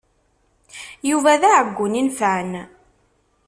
Yuba d aɛeggun inefɛen.